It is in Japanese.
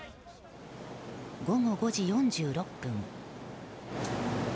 午後５時４６分。